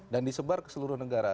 dan disebar ke seluruh negara